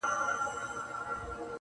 لکه منصور زه دي په خپل نامه بللی یمه!.